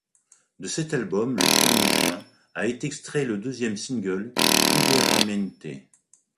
De cet album, le premier juin, a été extrait le deuxième single, Libera mente.